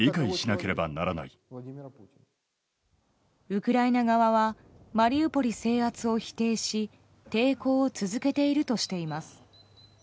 ウクライナ側はマリウポリ制圧を否定し抵抗を続けているとしています。